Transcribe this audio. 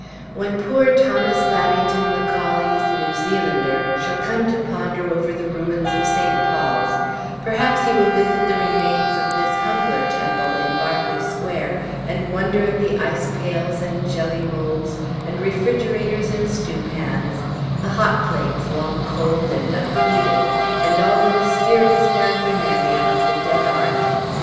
When poor Thomas Babington Macaulay's New Zealander shall come to ponder over the ruins of St. Paul's, perhaps he will visit the remains of this humbler temple in Berkeley Square, and wonder at the ice pails and jelly moulds, and refrigerators and stewpans, the hot plates, long cold and unheeded, and all the mysterious paraphernalia of the dead art.